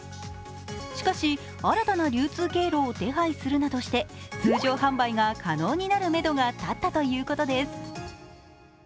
しかし、新たな流通経路を手配するなどして通常販売が可能になるめどが立ったということです。